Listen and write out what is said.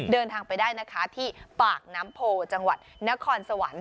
เดินทางไปได้นะคะที่ปากน้ำโพจังหวัดนครสวรรค์